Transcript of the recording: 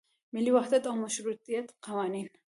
ملي وحدت او مشروطیه قوانین.